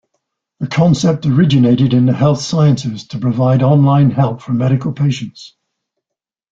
The concept originated in the health sciences to provide online help for medical patients.